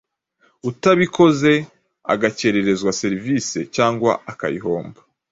utabikoze agakererezwa serivisi cyangwa akayihomba.